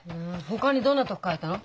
ほかにどんなとこ書いたの？